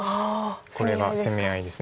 これが攻め合いです。